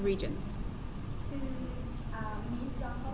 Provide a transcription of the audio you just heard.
คือมิกิจะขอแนะนำตัวนะคะว่า